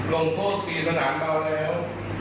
ลงโทษตีประหลาดเบาแล้ว